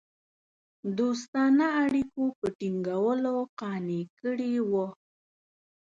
دوستانه اړېکو په ټینګولو قانع کړي وه.